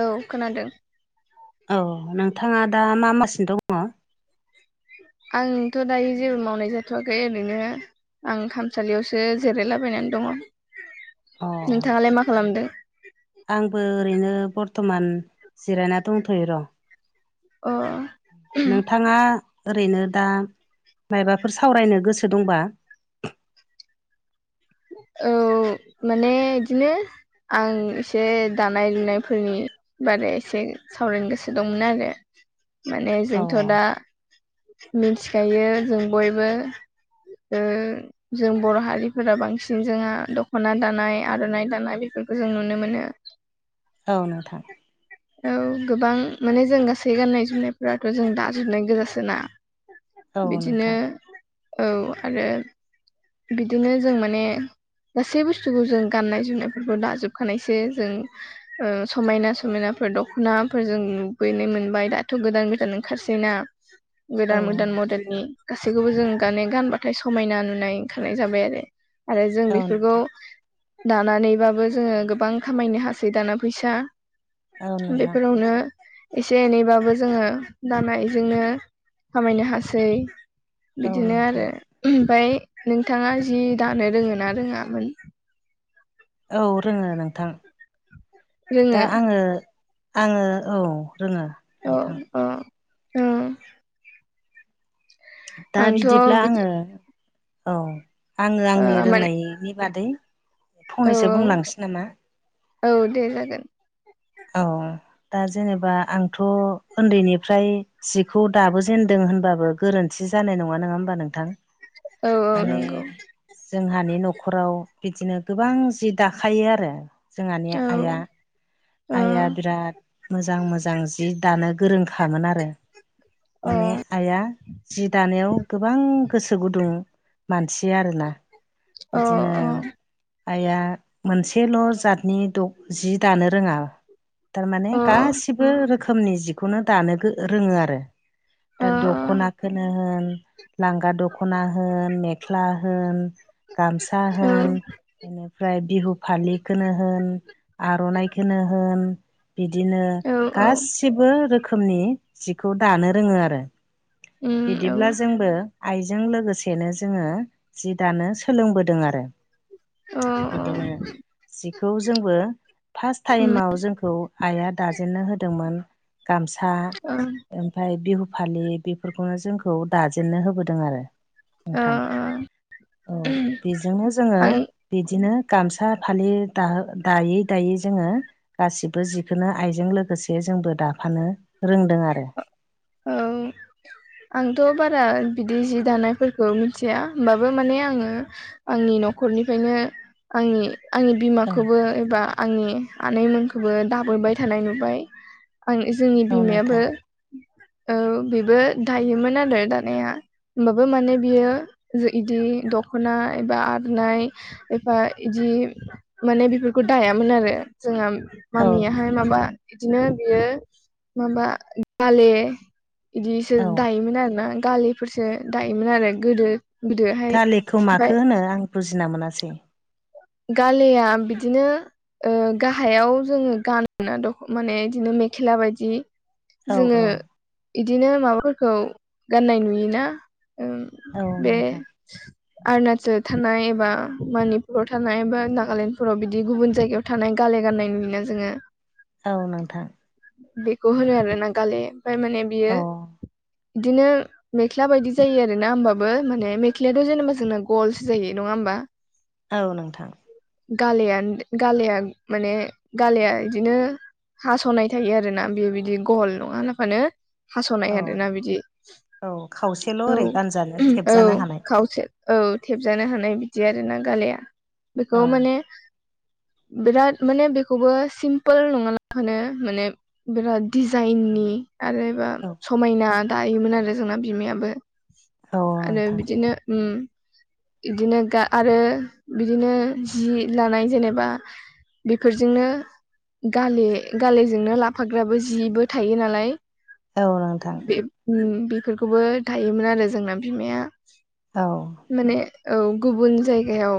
औ खोनादों औ नोंथाङा दा मा मावगासिनो दङ? आंथ' दायो जेबो मावनाय जाथ'वाखै ओरैनो आं खामसालियावसो जिरायलाबायनानै दङ अ नोंथाङालाय मा खालामदों आंबो ओरैनो बर्थ'मान जिरायना दंथ'यो र' अ नोंथाङा ओरैनो दा मायोबाफोर सावरायनो गोसो दंबा औ माने बिदिनो आं एसे दानाय लुनायफोरनि बागै एसे सावरायनो गोसो दंमोन आरो माने औ जोंथ' दा मिनथिखायो जों बयबो ओ जों बर' हारिफोरा बांसिन सिन जोंहा दख'ना दानाय आर'नाइ दानाय बेफोरखौ जों नुनो मोनो औ नोंथां [unintelligible] औ गोबां माने जों गासै गाननाय जोमनायफोराथ' जों दाजोबनाय गोजासो ना औ बिदिनो नोंथां औ आरो बिदिनो जों माने गासै बुसथुखौ जों गाननाय जोमनायफोरखौ दाजोबखानायसो जों ओ समायना समायनाफोर दख'नाफोरजों नुुबैनाय मोनबाय दाथ' गोदान गोदान ओंखारसै ना [inaudible] औ गोदान गोदान नोंथां मडेलनि गासैखौबो जों गान गानबाथाय समायना नुनाय ओंखारनाय जाबाय आरो आरो जों औ बेफोरखौ नोंथां दानानैबाबो जोङो गोबां खामायनो हासै दाना फैसा औ नोंथां बेफोरावनो एसे एनैबाबो जोङो दानायजोंनो खामायनो हासै औ बिदिनो नोंथां आरो ओमफ्राय नोंथाङा जि दानो रोङो ना रोङामोन औ रोङो नोंथां दा रोङो आङो आङो औ रोङो अ नोंथां अ दा आंथ' बिदिब्ला बिदि आङो औ आङो ओ आंनि माने रोंनायनि बादै औ फंनैसो बुंलांसै नामा औ दे जागोन औ दा जेनेबा आंथ' उनदैनिफ्राय जिखौ दाबो जेनदों होनबाबो गोरोनथि जानाय नङा नङा होमबा नोंथां औ औ माने नंगौ जोंहानि न'खराव बिदिनो गोबां जि दाखायो आरो जोंहानि औ ओ आइआ अ आइआ बिराद मोजां मोजां जि दानो गोरोंखामोन आरो अ माने आइआ जि दानायाव गोबां गोसो गुदुं मानसि आरोना अ बिदिनो आइया मोनसेल' जातनि जि दानो रोङा थारमाने अ गासिबो रोखोमनि जिखौनो दानो रोङो आरो अ दा दख'नाखौनो होन लांगा दखना होन मेख्ला होन गामसा होन बेनिफ्राय बिहु फालिखौनो होन आर'नाइ खोनो होन बिदिनो औ औ गासिबो रोखोमनि जिखौ दानो रोङो आरो उम औ बिदिब्ला जोंबो आइजों लोगोसेनो जोङो जि दानो सोलोंबोदों आरो अ अ बिदिनो जिखौ जोंबो फार्स्ट उम टाइमाव जोंखौ आइआ दाजेननो होदोंमोन गामसा अ ओमफ्राय बिहु फालि बे बेफोरखौनो जोंखौ दाजेननो होबोदों आरो अ नोंथां औ बेजोंनो जोङो आं बिदिनो गामसा फालि दायै दायै जोङो गासिबो जिखनो आइजों लोगोसे जोंबो दाफानो रोंदों आरो औ आंथ' बारा बिदि जि दानायफोरखौ मिथिया होमबाबो माने आङो आंनि न'खरनिफ्रायनो आंनि आंनि औ बिमाखौबो एबा आंनि आनैमोनुंखौबो दाबोबाय थानाय नुबाय आं जोंनि औ बिमायाबो नोंथां औ बेबो दायोमोन आरो दानाया होमबाबो माने बियो बिदि दख'ना बा आरनाय एफा गदि माने बेफोरखौ दायामोन आरो जोंहा औ मामियाहाय माबा इदिनो बेयो माबा गाले इदिसो औ दायोमोन आरो ना गालेफोरसो दायोमोन आरो गोदो गोदोहाय गालेखौ ओमफाय माखो होनो आं बुजिना मोनासै गालेआ बिदिनो ओ गाहायाव जोङो गानो ना द' माने बिदिनो मेख्ला बादि औ जोङो औ इदिनो माबाफोरखौ गाननाय नुयोना ओ औ बे नोंथां अरुणचल थानाय एबा मनिपुर थानाय थानाय बा नागालेण्डफोराव बिदि गुबुन जायगायाव थानाय गाले गाननाय नुयो ना जोङो औ नोंथां बेखौ होनो आरो ना गाले आमफ्राय माने बियो औ बिदिनो मेख्ला बायदि जायो आरोना होमबाबो माने मेख्लायाथ' जेनोबा जोंना ग'लसो जायो नङा होमबा औ नोंथां गालेयान गालेयान माने गालेआ इदिनो हास'नाय थायो आरो ना बे बिदि ग'ल नङा होफानो औ हास'नाय आरोना बिदि औ खावसेल' औ ओरै गानजानो उम औ थेबजानो हानाय खावसे औ थेबजानो हानाय बिदि आरो ना गालेआ बेखौ औ माने बिराद माने बेखौबो सिम्पोल नङालाबानो माने बिराद दिजाइननि आरोबा औ समायना दायोमोन आरो जोंना बिमाआबो औ आरो नोंथां बिदिनो उम बिदिनो गा आरो बिदिनो जि लानाय जेनोबा बेफोरजोंनो गाले गालेजोंनो लाफाग्राबो जिबो थायो नालाय औ नोंथां बे उम बेफोरखौबो दायोमोन आरो जोंना बिमाआ औ माने औ गुबुन जायगायाव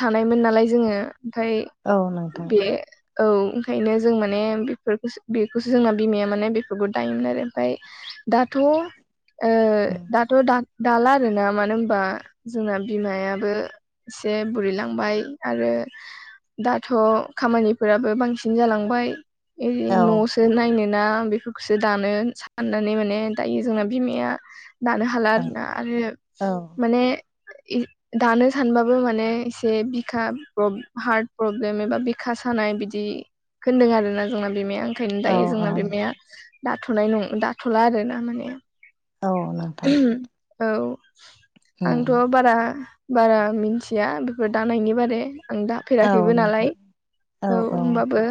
थानायमोन नालाय जोङो आमफाय औ नोंथां बे औ ओंखायनो जों माने बेफोरखौसो बेखौसो जोंना बिमाआ माने बेफोरखौ दायोमोन आरो आमफ्राय दाथ' ओ दाथ' दा दाला आरो ना मानो होनबा जोंना बिमाआबो एसे बु बुरिलांबाय आरो दाथ' खामानिफोराबो बांसिन जालांबाय एरै औ न' आव सो नायनो ना बेफोरखौसो दानो साननानै माने दायो जोंना बिमाआ दानो हाल हाला औ आरोना आरो औ माने इ दानो सानबाबो माने एसे बिखा प्रब्लेम हार्ट प्रब्लेम एबा बिखा सानाय बिदि खोनदों आरोना जोंना बिमाआ ओंखायनो औ दायो जोंना औ बिमाआ दाथ'नाय नं दाथ'ला आरो ना माने औ नोंथां उम औ आंथ' बारा बारा मिथिया बेफोर दानायनि बारै आं दा औ दाफेराखैबो नालाय नोंथां औ होमबाबो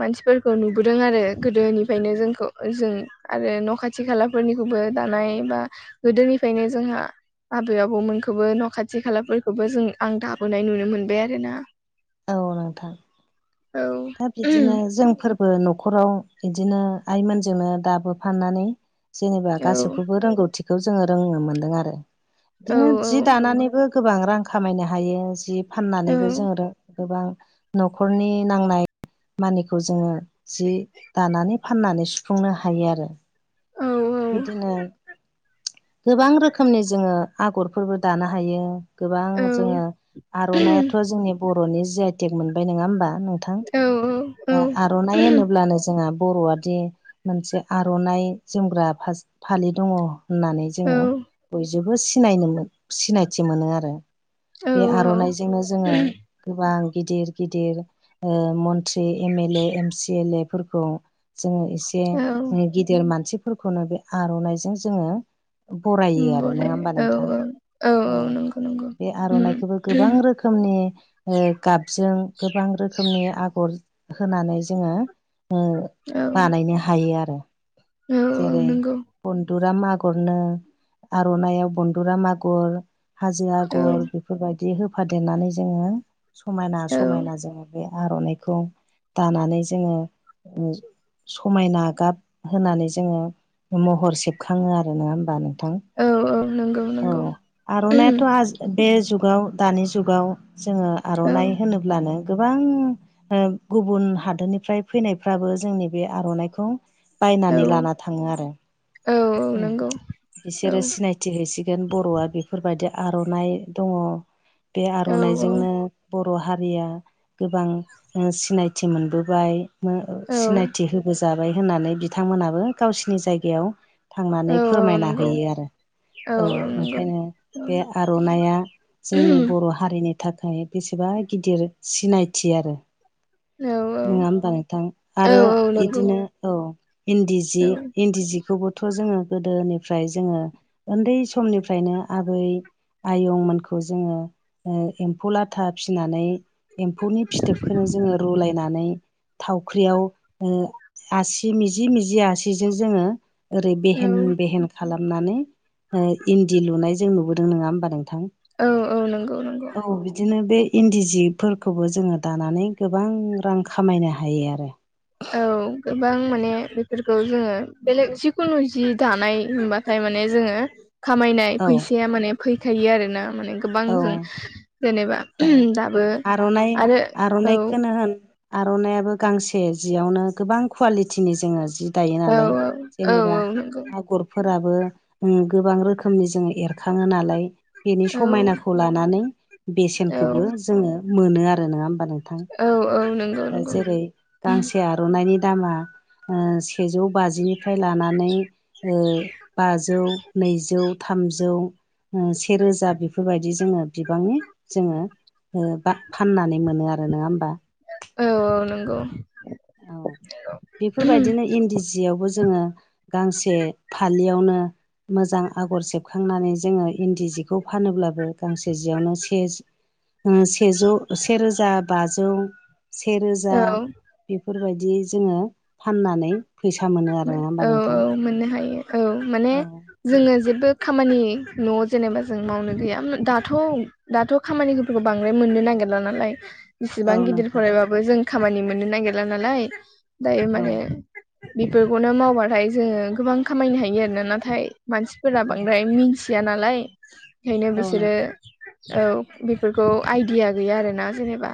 मानसिफोरखौ नुबोदों आरो गोदोनिफ्रायनो जोंखौ जों आरो न' खाथि खाथि खालाफोरनिखौबो दानाय बा गोदोनिफ्रायनो जोंहा आबै आबौमोनखौबो न' खाथि खालाफोरखौबो जों आं दाबोनाय नुनो मोनबाय आरोना औ नोंथां औ दा बिदिनो जोंफोरबो जोंबो न'खराव इदिनो आइमोनजोंनो दाबो फानानै जेनोबा औ गासैखौबो रोंगौथिखौ जोंङो रोंनो मोन्दों आरो औ बिदिनो जि दानानैबो गोबां रां खामायनो हायो जि औ फाननानैबो जोंङो रो गोबां न'खरनि नांनाय मानिखौ जोंङो जि दानानै फाननानै सुफुंनो हायो आरो औ बिदिनो गोबां रोखोमनि जोंङो आगरफोरबो दानो हायो गोबां औ जोंङो आर'नायाथ' जोंनि बर'नि जि आइ टेक मोनबाय नङा होमबा नों थां आर'नाइ होनोब्लानो जोंहा बर'आ बिदि मोनसे आर'नाइ जोमग्रा फालि दङ होननानै औ जोंङो बयजोंबो सिनायनो सिनायथि मोनो आरो औ बे आर'नाइजोंनो जोंङो गोबां गिदिर गिदिर मन ट्रि एमेले एम सि एल ए जों एसे औ गिदिर मानसि खौनो बे आर'नाइजों जोंङो बरायो आरो नंङा बराय होमबा औ नोंथां औ औ नंगौ नंगौ बे आर'नाइखौबो गोबां औ रोखोम रोखोमनि गाबजों गोबां रोखोमनि आगर होनानै जोंङो बानायनो हायो आरो औ औ जेरै नंगौ बनदुरा मागरनो आर'नाइाव बनन्दुरा आगर हाजो औ आगर बेफोरबायदि होफादेरनानै जोंङो समायना औ समायना जोंङो बे आर'नाइखौ दानानै जोंङो समायना गाब होनानै जोंङो महर सेबखाङो आरो नंङा होमबानो औ औ नंगौ औ नंगौ आरनायाथ आजि बे जुगाव दानि जुगाव जोङो औ आर'नाइ होनोब्लानो गोबां गुबुन हादोरनिफ्राय फैनायफ्राबो जोंनि बे आर'नाइखौ औ बायनानै लाना थाङो आरो औ औ नंगौ औ बिसोरो सिनायथि थि हैसिगोन बर'आ बेफोरबायदि आर'नाइ दंङ बे औ आर'नाइजोंनो बर' हारिया गोबां सिनायथि मोनबोबाय औ सिनायथि होबोजाबाय होननानै बिथांमोनाबो गावसिनि जायगायाव औ थांनानै औ फोरमायना नंगौ होयो आरो औ ओंखायनो औ बे आर'नाइआ जोंनि बर' हा हारिनि थाखाय बेसेबा गिदिर सिनायथि आरो औ नङा होमबा नोंथां आरो औ औ नंगौ बिदिनो औ इन्दि जि औ इन्दि जिखौबोथ' जोङो गोदोनिफ्राय जोङो उन्दै समनिफ्रायनो आबै आयंमोनखौ जोङो एम्फौ लाथा फिनानै एम्फौनि फिथोबखौनो जोङो रुलायनानै थावख्रियाव आसि मिजि मिजि आसिजों जोङो ओरै औ बेहेन बेहेन खालामनानै इन्दि लुनाय जों नुबोदों नङा होमबा नोंथां औ औ नंगौ नंगौ औ बिदिनो बे इन्दि जिफोरखौबो जोङो दानानै गोबां रां खामायनो हायो आरो औ गोबां माने बेफोरखौ जोङो बेलेग जिखुनु जि दानाय होनबा ओमफ्राय माने जोङो खामायनाय औ फैसाया माने फैखायो आरोना माने गोबां औ जों जेनेबा औ दाबो आरो औ आर'नाइयाबो गांसे जियावनो गोबां कुवालिटिनि जोङो जि दायो औ नालाय औ जेनेबा औ नंगौ आगर फोराबो गोबां रोखोमनि जोङो एरखाङो नालाय बेनि औ समायनाखौ लानानै बेसेनखौबो औ जोङो मोनो आरो नङा होमबा नोंथां औ औ नंगौ दा नंगौ जेरै गांसे आर'नायनि दामा सेजौ बाजि निफ्राय लानानै बाजौ नैजौ थामजौ सेरोजा बेफोरबायदि जोङो बिबांनि जोङो बा फाननानै मोनो आरो नङा होमबा औ औ नंगौ औ बेफोरबायदिनो इन्दि सियावबो जोङो गांसे फालियावनो मोजां आगर सेबखांनानै जोङो इन्दि जि खौ फानोब्लाबो गांसे जियावनो से सेजौ सेरोजा बाजौ औ सेरोजा बेफोरबायदि जोङो फाननानै फैसा मोनो आरो नङा होमबा औ नोंथां औ मोननो हायो औ माने औ जोङो जेबो खामानि न'आव जेनेबा जों मावनो गैया दाथ' दाथ' खामानिफोरखौ बांद्राय मोननो नागेरला नालाय इसिबां औ गिदिर नोंथां फरायबाबो जों खामानि मोननो नागिरला नालाय दायो औ माने बेफोरखौनो मावबाथाय जोङो गोबां खामायनो हायो आरोना नाथाय मानसिफोरा औ बांद्राय मि थिया नालाय ओंखायनो औ बिसोरो नोंथां औ बेफोरखौ आइडिया गैया आरोना जेनेबा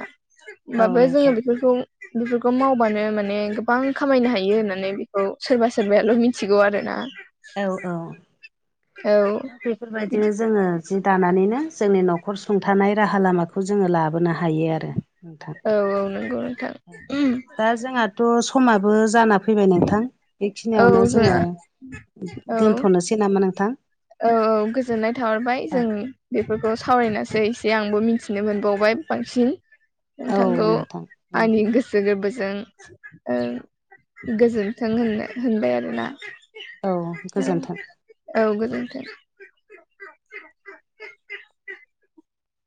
औ होमबाबो जोङो नोंथां बेफोरखौ बेफोरखौ मावबानो माने गोबां खामायनो हायो होननानै बेखौ सोरबा सोरबाल' मिथिगौ आरो ना औ औ दा बेफोरबायदिनो बिदि जोङो जि दानानैनो जोंनि न'खर सुंथानाय राहा लामाखौ जोङो लाबोनो हायो आरो नोंथां औ औ नंगौ नोंथां थ' समाबो जाना फैबाय नोंथां औ बेखिनियावनो जोङो जोंहा औ दोनथ'नोसै एसे नामा नोंथां औ औ गोजोननाय थाहरबाय जोंनि बे बेफोरखौ सावरायनासै एसे आंबो मिन्थिनो मोनबावबाय बांसिन औ नोंथांखौ नोंथां आंनि गोसो गोसो गोरबोजों गोजोन्थों होननो होनबाय आरोना औ औ गोजोन्थों औ गोजोनथों